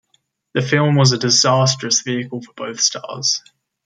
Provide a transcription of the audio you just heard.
The film was a disastrous vehicle for both stars.